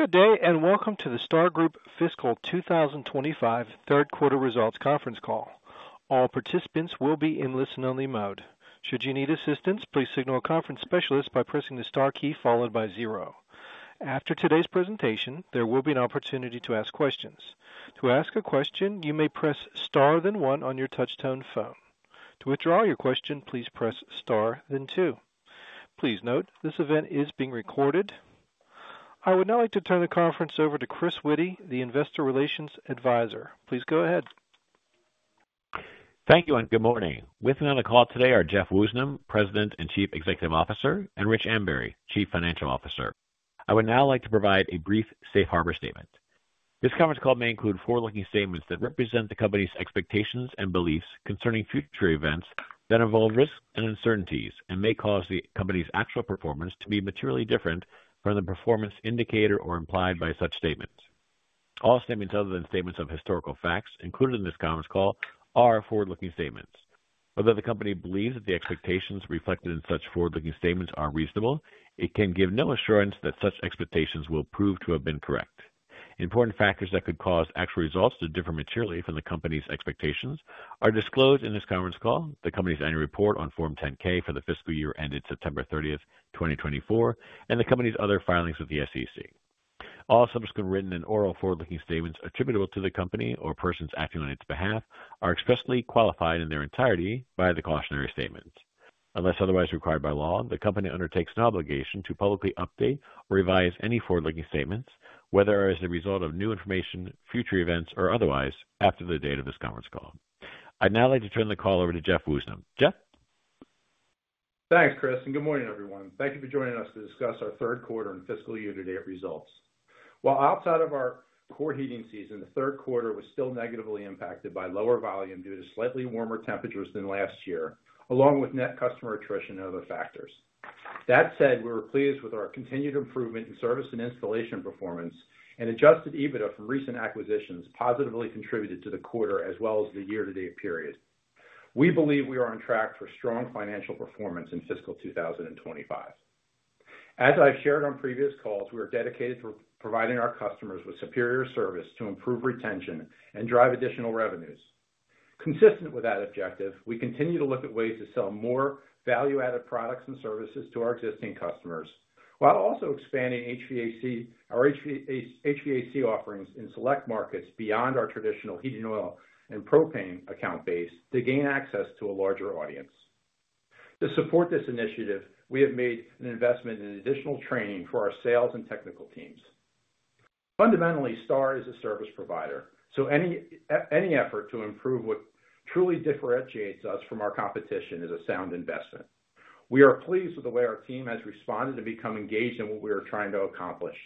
Good day and welcome to the Star Group Fiscal 2025 Third Quarter Results Conference Call. All participants will be in listen-only mode. Should you need assistance, please signal a conference specialist by pressing the star key followed by zero. After today's presentation, there will be an opportunity to ask questions. To ask a question, you may press star then one on your touch-tone phone. To withdraw your question, please press star then two. Please note this event is being recorded. I would now like to turn the conference over to Chris Witty, the Investor Relations Adviser. Please go ahead. Thank you and good morning. With me on the call today are Jeff Woosnam, President and Chief Executive Officer, and Richard Ambury, Chief Financial Officer. I would now like to provide a brief safe harbor statement. This conference call may include forward-looking statements that represent the company's expectations and beliefs concerning future events that involve risks and uncertainties and may cause the company's actual performance to be materially different from the performance indicated or implied by such statements. All statements other than statements of historical facts included in this conference call are forward-looking statements. Whether the company believes that the expectations reflected in such forward-looking statements are reasonable, it can give no assurance that such expectations will prove to have been correct. Important factors that could cause actual results to differ materially from the company's expectations are disclosed in this conference call, the company's annual report on Form 10-K for the fiscal year ended September 30, 2024, and the company's other filings with the SEC. All subsequent written and oral forward-looking statements attributable to the company or persons acting on its behalf are expressly qualified in their entirety by the cautionary statement. Unless otherwise required by law, the company undertakes an obligation to publicly update or revise any forward-looking statements, whether as a result of new information, future events, or otherwise, after the date of this conference call. I'd now like to turn the call over to Jeff Woosnam. Jeff? Thanks, Chris, and good morning, everyone. Thank you for joining us to discuss our third quarter and fiscal year-to-date results. While outside of our core heating season, the third quarter was still negatively impacted by lower volume due to slightly warmer temperatures than last year, along with net customer attrition and other factors. That said, we were pleased with our continued improvement in service and installation performance, and adjusted EBITDA from recent acquisitions positively contributed to the quarter as well as the year-to-date period. We believe we are on track for strong financial performance in fiscal 2025. As I've shared on previous calls, we are dedicated to providing our customers with superior service to improve retention and drive additional revenues. Consistent with that objective, we continue to look at ways to sell more value-added products and services to our existing customers, while also expanding our HVAC services offerings in select markets beyond our traditional home heating oil and propane account base to gain access to a larger audience. To support this initiative, we have made an investment in additional training for our sales and technical teams. Fundamentally, Star Group is a service provider, so any effort to improve what truly differentiates us from our competition is a sound investment. We are pleased with the way our team has responded and become engaged in what we are trying to accomplish.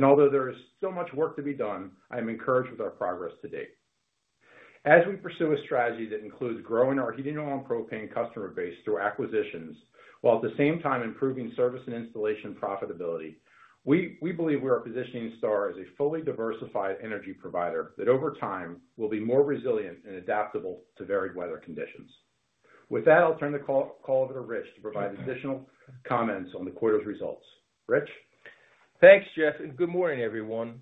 Although there is still much work to be done, I am encouraged with our progress to date. As we pursue a strategy that includes growing our home heating oil and propane customer base through acquisitions, while at the same time improving service and installation profitability, we believe we are positioning Star Group as a fully diversified energy provider that over time will be more resilient and adaptable to varied weather conditions. With that, I'll turn the call over to Rich to provide additional comments on the quarter's results. Rich? Thanks, Jeff, and good morning, everyone.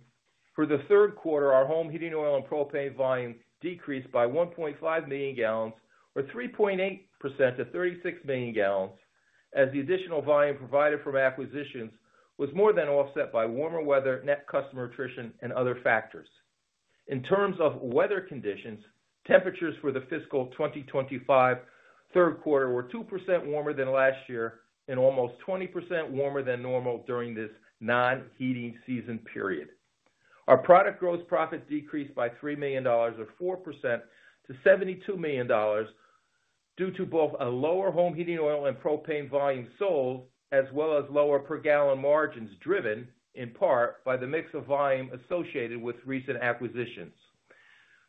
For the third quarter, our home heating oil and propane volume decreased by 1.5 million gal, or 3.8% to 36 million gal, as the additional volume provided from acquisitions was more than offset by warmer weather, net customer attrition, and other factors. In terms of weather conditions, temperatures for the fiscal 2025 third quarter were 2% warmer than last year and almost 20% warmer than normal during this non-heating season period. Our product gross profit decreased by $3 million, or 4%, to $72 million due to both a lower home heating oil and propane volume sold, as well as lower per-gallon margins driven in part by the mix of volume associated with recent acquisitions.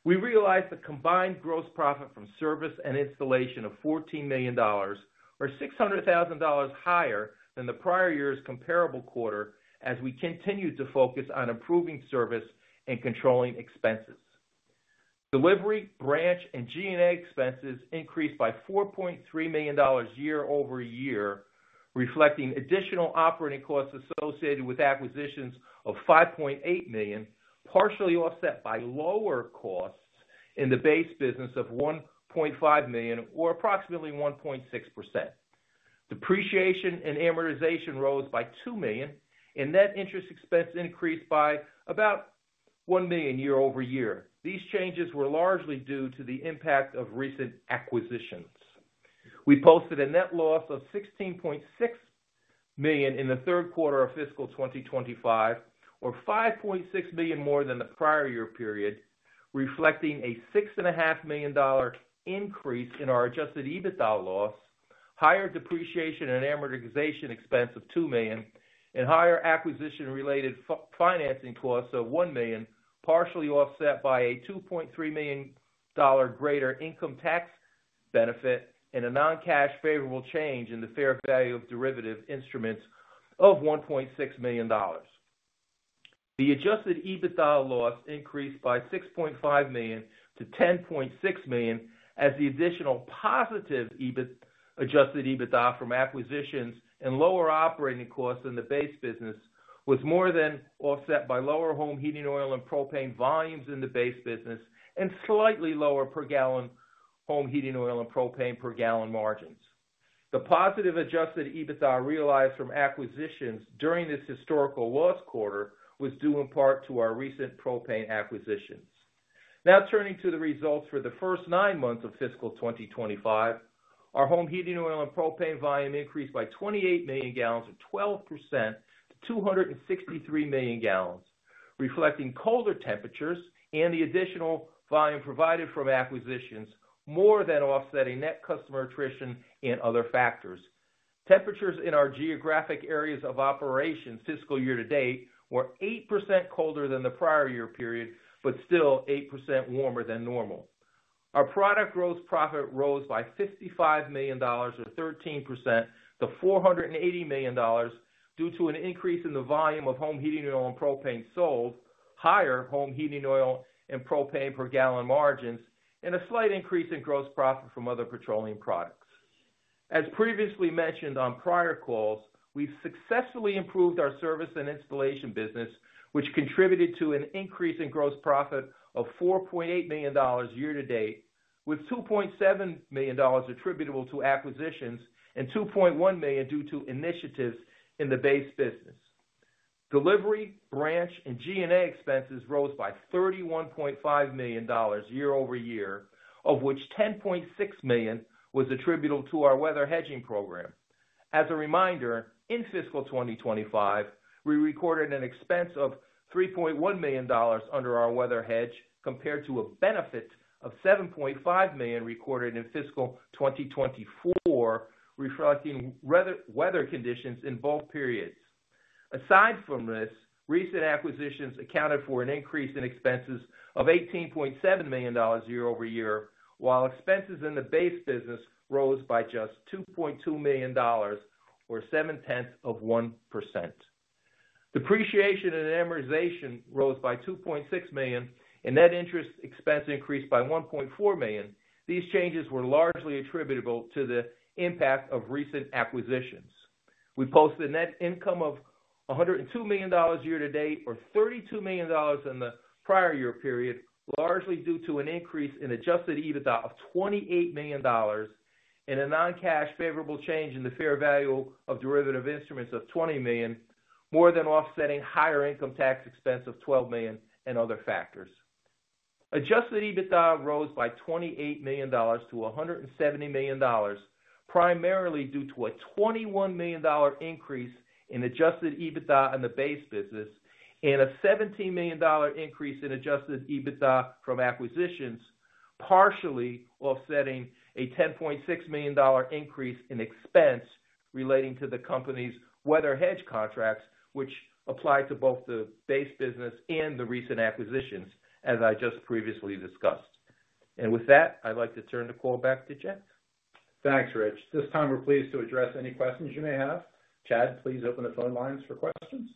We realized the combined gross profit from service and installation of $14 million, or $0.6 million higher than the prior year's comparable quarter, as we continued to focus on improving service and controlling expenses. Delivery, branch, and G&A expenses increased by $4.3 million year-over-year, reflecting additional operating costs associated with acquisitions of $5.8 million, partially offset by lower costs in the base business of $1.5 million, or approximately 1.6%. Depreciation and amortization rose by $2 million, and net interest expense increased by about $1 million year-over-year. These changes were largely due to the impact of recent acquisitions. We posted a net loss of $16.6 million in the third quarter of fiscal 2025, or $5.6 million more than the prior year period, reflecting a $6.5 million increase in our adjusted EBITDA loss, higher depreciation and amortization expense of $2 million, and higher acquisition-related financing costs of $1 million, partially offset by a $2.3 million greater income tax benefit and a non-cash favorable change in the fair value of derivative instrument valuations of $1.6 million. The adjusted EBITDA loss increased by $6.5 million to $10.6 million, as the additional positive adjusted EBITDA from acquisitions and lower operating costs in the base business was more than offset by lower home heating oil and propane volumes in the base business and slightly lower per-gallon home heating oil and propane per-gallon margins. The positive adjusted EBITDA realized from acquisitions during this historical loss quarter was due in part to our recent propane acquisitions. Now turning to the results for the first nine months of fiscal 2025, our home heating oil and propane volume increased by 28 million gal, or 12%, to 263 million gal, reflecting colder temperatures and the additional volume provided from acquisitions, more than offsetting net customer attrition and other factors. Temperatures in our geographic areas of operations fiscal year to date were 8% colder than the prior year period, but still 8% warmer than normal. Our product gross profit rose by $55 million, or 13%, to $480 million due to an increase in the volume of home heating oil and propane sold, higher home heating oil and propane per-gallon margins, and a slight increase in gross profit from other petroleum products. As previously mentioned on prior calls, we've successfully improved our service and installation business, which contributed to an increase in gross profit of $4.8 million year-to-date, with $2.7 million attributable to acquisitions and $2.1 million due to initiatives in the base business. Delivery, branch, and G&A expenses rose by $31.5 million year-over-year, of which $10.6 million was attributable to our weather hedging program. As a reminder, in fiscal 2025, we recorded an expense of $3.1 million under our weather hedge compared to a benefit of $7.5 million recorded in fiscal 2024, reflecting weather conditions in both periods. Aside from this, recent acquisitions accounted for an increase in expenses of $18.7 million year-over-year, while expenses in the base business rose by just $2.2 million, or 0.7%. Depreciation and amortization rose by $2.6 million, and net interest expense increased by $1.4 million. These changes were largely attributable to the impact of recent acquisitions. We posted a net income of $102 million year-to-date, or $32 million in the prior year period, largely due to an increase in adjusted EBITDA of $28 million and a non-cash favorable change in the fair value of derivative instruments of $20 million, more than offsetting higher income tax expense of $12 million and other factors. Adjusted EBITDA rose by $28 million to $170 million, primarily due to a $21 million increase in adjusted EBITDA in the base business and a $17 million increase in adjusted EBITDA from acquisitions, partially offsetting a $10.6 million increase in expense relating to the company's weather hedge contracts, which applied to both the base business and the recent acquisitions, as I just previously discussed. I'd like to turn the call back to Jeff. Thanks, Rich. At this time we're pleased to address any questions you may have. Chad, please open the phone lines for questions.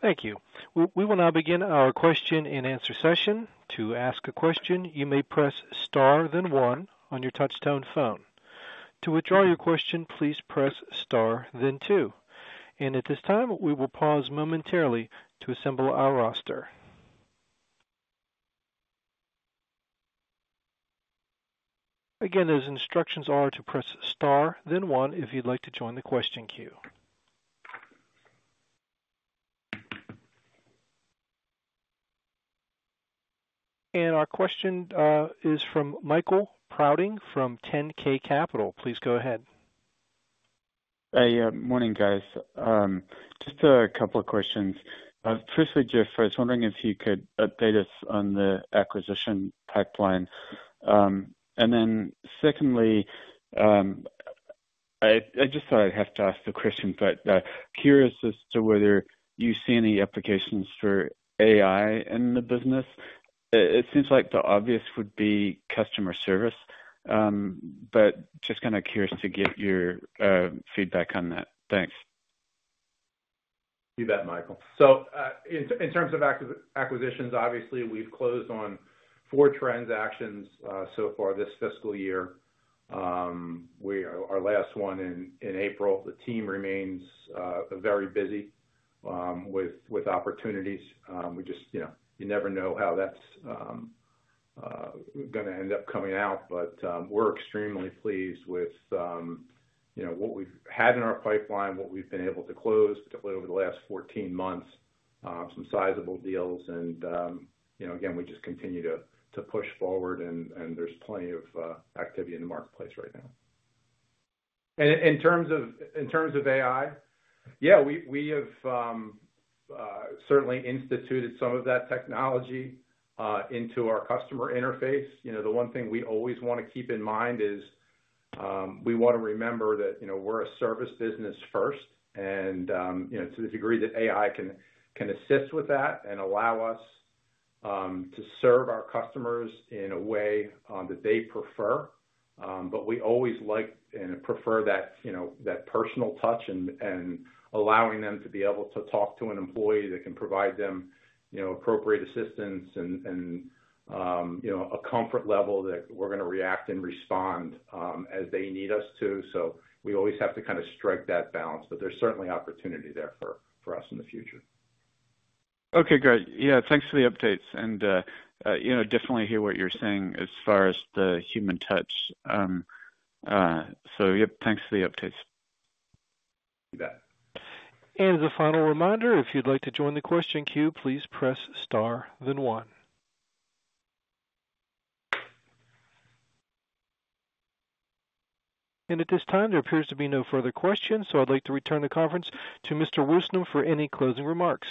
Thank you. We will now begin our question-and-answer session. To ask a question, you may press star then one on your touch-tone phone. To withdraw your question, please press star then two. At this time, we will pause momentarily to assemble our roster. Again, those instructions are to press star then one if you'd like to join the question queue. Our question is from Michael Prouting from 10K Capital. Please go ahead. Hey, good morning, guys. Just a couple of questions. Firstly, Jeff, I was wondering if you could update us on the acquisition pipeline. Secondly, I just thought I'd have to ask the question, but curious as to whether you see any applications for artificial intelligence in the business. It seems like the obvious would be customer service, but just kind of curious to get your feedback on that. Thanks. You bet, Michael. In terms of acquisitions, obviously, we've closed on four transactions so far this fiscal year. Our last one was in April. The team remains very busy with opportunities. You never know how that's going to end up coming out, but we're extremely pleased with what we've had in our pipeline and what we've been able to close over the last 14 months, some sizable deals. We just continue to push forward, and there's plenty of activity in the marketplace right now. In terms of artificial intelligence, we have certainly instituted some of that technology into our customer interface. The one thing we always want to keep in mind is we want to remember that we're a service business first, and to the degree that artificial intelligence can assist with that and allow us to serve our customers in a way that they prefer. We always like and prefer that personal touch and allowing them to be able to talk to an employee that can provide them appropriate assistance and a comfort level that we're going to react and respond as they need us to. We always have to kind of strike that balance, but there's certainly opportunity there for us in the future. Okay, great. Yeah, thanks for the updates. I definitely hear what you're saying as far as the human touch, so yep, thanks for the updates. You bet. As a final reminder, if you'd like to join the question queue, please press star then one. At this time, there appears to be no further questions, so I'd like to return the conference to Mr. Woosnam for any closing remarks.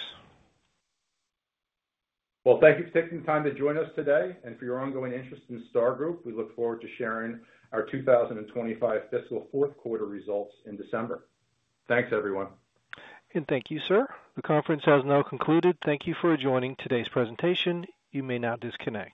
Thank you for taking the time to join us today and for your ongoing interest in Star Group. We look forward to sharing our 2025 fiscal fourth quarter results in December. Thanks, everyone. Thank you, sir. The conference has now concluded. Thank you for joining today's presentation. You may now disconnect.